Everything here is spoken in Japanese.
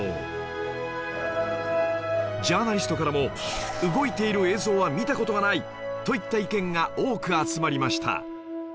ジャーナリストからも動いている映像は見た事がない！といった意見が多く集まりました